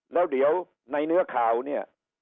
แล้วเดี๋ยวในเนื้อข่าวเนี่ย